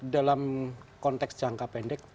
dalam konteks jangka pendek